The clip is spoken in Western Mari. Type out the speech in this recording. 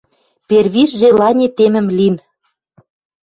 Первиш желани темӹм лин.